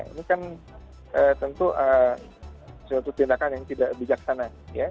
ini kan tentu suatu tindakan yang tidak bijaksana